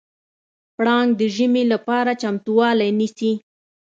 پړانګ د ژمي لپاره چمتووالی نیسي.